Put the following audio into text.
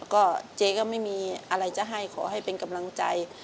ก็เจ๊ก็ไม่มีอะไรจะให้ขอให้เป็นกำลังใจ